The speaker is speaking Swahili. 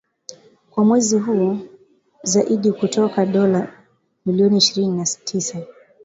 Kwa mwezi huo, juu zaidi kutoka dola milioni ishirini na tisa